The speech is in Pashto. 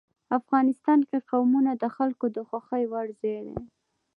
افغانستان کې قومونه د خلکو د خوښې وړ ځای دی.